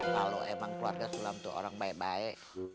kalau emang keluarga sulam itu orang baik baik